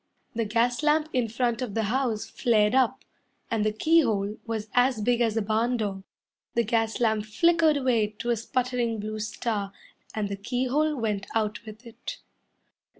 The gas lamp in front of the house flared up, And the keyhole was as big as a barn door; The gas lamp flickered away to a sputtering blue star, And the keyhole went out with it.